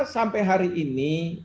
sampai hari ini